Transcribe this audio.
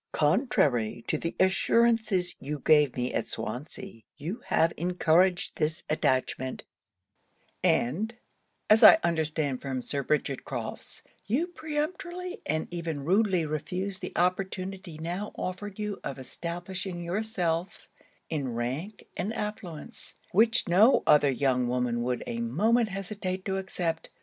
Contrary to the assurances you gave me at Swansea, you have encouraged this attachment; and, as I understand from Sir Richard Crofts, you peremptorily and even rudely refuse the opportunity now offered you of establishing yourself in rank and affluence, which no other young woman would a moment hesitate to accept.